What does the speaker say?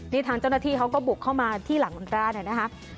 นี่ทางเจ้าหน้าที่เขาก็บุกเข้ามาที่หลังร้านเนี่ยนะคะ